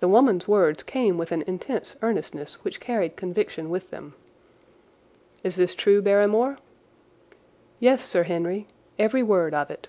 The woman's words came with an intense earnestness which carried conviction with them. "Is this true, Barrymore?" "Yes, Sir Henry. Every word of it."